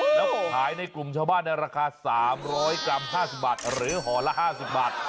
แล้วก็ขายในกลุ่มชาวบ้านในราคา๓๐๐กรัม๕๐บาทหรือห่อละ๕๐บาท